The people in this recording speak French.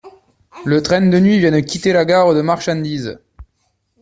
Le train de nuit vient de quitter la gare de marchandise.